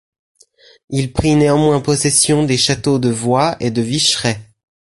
Il prit néanmoins possession des châteaux de Void et de Vicherey.